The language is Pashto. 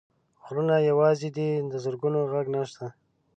غرونه یوازي دي، د زرکو ږغ نشته